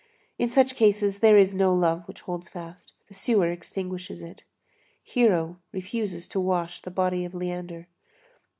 In such cases, there is no love which holds fast; the sewer extinguishes it. Hero refuses to wash the body of Leander.